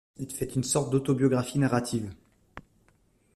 Il fait une sorte d’autobiographie narrative.